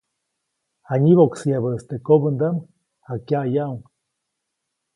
Janyiboʼksäyabäʼis teʼ kobändaʼm, jakyaʼyaʼuŋ.